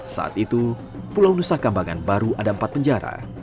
saat itu pulau nusa kambangan baru ada empat penjara